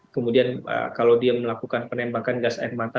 kemudian kalau dia melakukan penembakan gas air mata